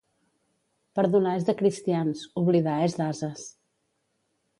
Perdonar és de cristians, oblidar és d'ases.